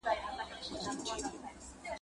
اوښ په غلبېل نه درنېږي.